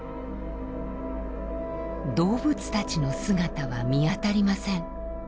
動物たちの姿は見当たりません。